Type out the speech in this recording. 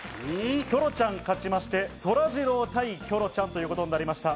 キョロちゃんが勝ちまして、そらジロー対キョロちゃんということになりました。